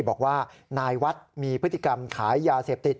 บอกว่านายวัดมีพฤติกรรมขายยาเสพติด